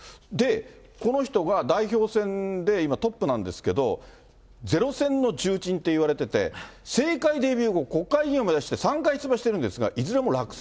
この人が代表選で今、トップなんですけれども、０選の重鎮っていわれてて、政界デビュー後、国会議員を３回出馬してるんですが、いずれも落選。